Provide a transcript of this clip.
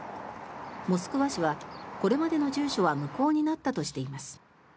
モスクワ市はこれまでの住所は無効になったとしています。